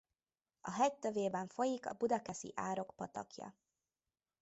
A hegy tövében folyik a Budakeszi-árok patakja.